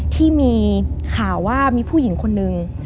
ที่มีข่าวว่ามีผู้หญิงคนนึง